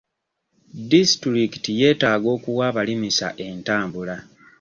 Disitulikiti yeetaaga okuwa abalimisa entambula.